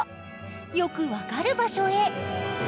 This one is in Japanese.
よく分かる場所へ。